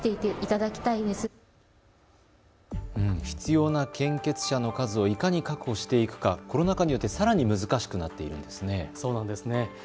必要な献血者の数をいかに確保していくか、コロナ禍によってさらに難しくなっているんですね。